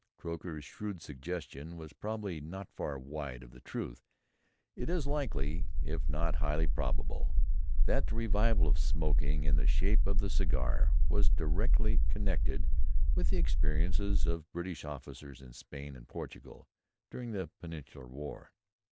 Croker's shrewd suggestion was probably not far wide of the truth. It is quite likely, if not highly probable, that the revival of smoking in the shape of the cigar was directly connected with the experiences of British officers in Spain and Portugal during the Peninsular War.